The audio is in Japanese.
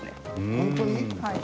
本当に？